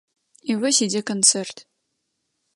І вось ідзе канцэрт.